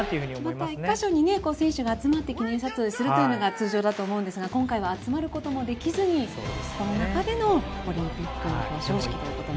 また、１か所に選手が集まって記念撮影するのが通常だと思うんですが今回は集まることもできずにコロナ禍のオリンピックの表彰式となりましたね。